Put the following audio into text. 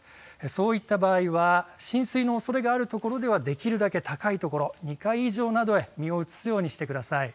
そういった場合は浸水のおそれがある所ではできるだけ高い所、２階以上などへ身を移すようにしてください。